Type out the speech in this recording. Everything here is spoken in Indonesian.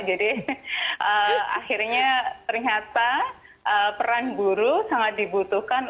akhirnya ternyata peran guru sangat dibutuhkan